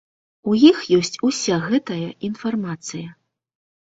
У іх ёсць уся гэтая інфармацыя.